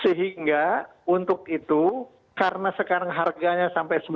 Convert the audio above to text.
sehingga untuk itu kita harus memiliki keterangan kedelai yang dibawa ke sini